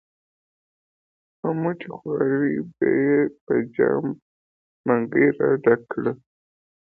په مټې خوارۍ به یې په جام منګي را ډک کړل.